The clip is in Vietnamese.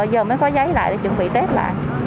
giờ mới có giấy lại để chuẩn bị tết lại